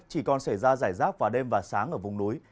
chỉ còn xảy ra giải rác vào đêm và sáng ở vùng núi